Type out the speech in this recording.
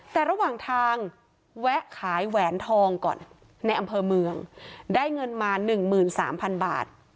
แต่ระหว่างทางแวะขายแหวนทองก่อนในอำเภอเมืองได้เงินมาหนึ่งหมื่นสามพันบาท